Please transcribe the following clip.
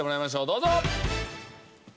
どうぞ！